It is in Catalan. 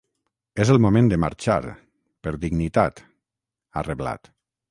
És el moment de marxar, per dignitat, ha reblat.